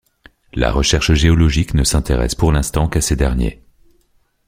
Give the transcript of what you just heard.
La recherche géologique ne s'intéresse pour l'instant qu'à ces derniers.